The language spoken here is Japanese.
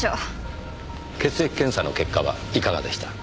血液検査の結果はいかがでした？